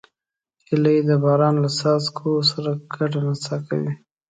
هیلۍ د باران له څاڅکو سره ګډه نڅا کوي